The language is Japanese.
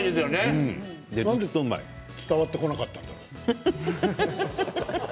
なんですぐに伝わってこなかったんだろう。